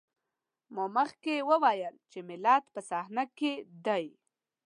ما مخکې وويل چې ملت په صحنه کې دی.